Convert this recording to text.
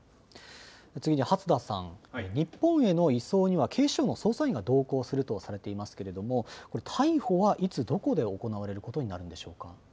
次に初田さん、日本への移送には警視庁の捜査員が同行するとされていますが逮捕はいつどこで行われることになるんでしょうか。